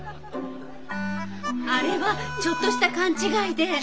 あれはちょっとした勘違いで。